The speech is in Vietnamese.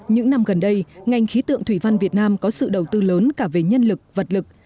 những năm gần đây ngành khí tượng thủy văn việt nam có sự đầu tư lớn cả về nhân lực vật lực